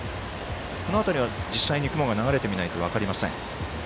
この辺りは実際に雲が流れてみないと分かりません。